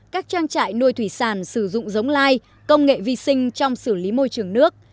các trang trại nuôi thủy sản sử dụng giống lai công nghệ vi sinh trong xử lý môi trường nước